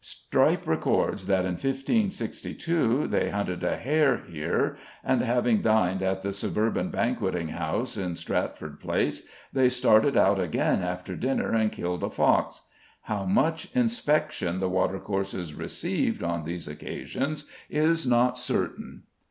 Strype records that in 1562 they hunted a hare here, and having dined at the Suburban Banqueting House in Stratford Place, they started out again after dinner and killed a fox. How much inspection the watercourses received on these occasions is not certain.